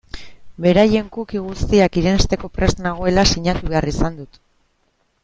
Beraien cookie guztiak irensteko prest nagoela sinatu behar izan dut.